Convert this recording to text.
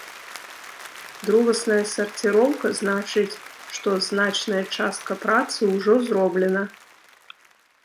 Другасная сарціроўка значыць, што значная частка працы ўжо зроблена.